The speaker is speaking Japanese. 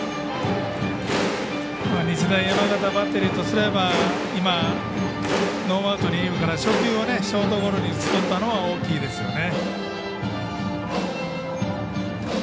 日大山形バッテリーとすれば今、ノーアウトから初球を打ちとったのは大きいですよね。